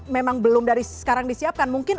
memang belum dari sekarang disiapkan mungkin